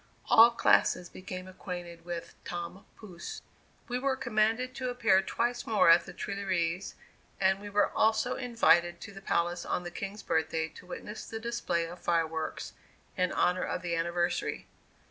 All classes became acquainted with "Tom Pouce." We were commanded to appear twice more at the Tuileries, and we were also invited to the palace on the King's birthday to witness the display of fireworks in honor of the anniversary.